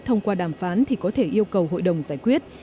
thông qua đàm phán thì có thể yêu cầu hội đồng giải quyết